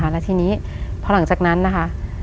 แล้วทีนี้พอหลังจากนั้นนะคะ